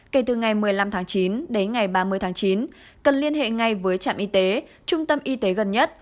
kể từ ngày một mươi năm tháng chín đến ngày ba mươi tháng chín cần liên hệ ngay với trạm y tế trung tâm y tế gần nhất